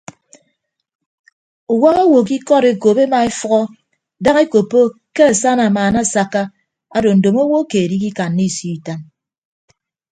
Uwak owo ke ikọd ekop ema efʌhọ daña ekoppo ke asana amaana asakka ado ndomo owo keed ikikanna isio itañ.